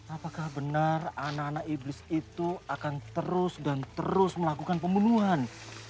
apakah benar anak anak iblis itu akan terus dan terus melakukan pembunuhan